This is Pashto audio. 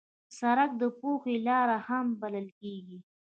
سړک د پوهې لار هم بلل کېږي.